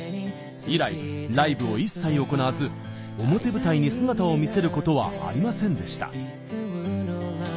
以来、ライブを一切行わず表舞台に姿を見せることはありませんでした。